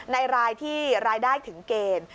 รายที่รายได้ถึงเกณฑ์